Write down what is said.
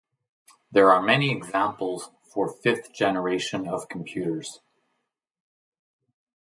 There are many examples for fifth generation of computers.